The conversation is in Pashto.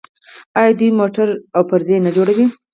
آیا دوی موټرې او پرزې نه جوړوي؟